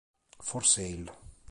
For Sale